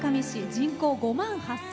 人口５万８０００。